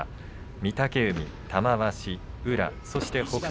御嶽海、玉鷲、宇良そして北勝